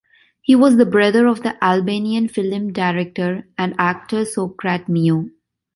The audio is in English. He was the brother of the Albanian film director and actor Sokrat Mio.